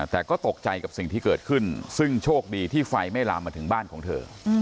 แต่ก็ตกใจกับสิ่งที่เกิดขึ้นซึ่งโชคดีที่ไฟไม่ลามมาถึงบ้านของเธอ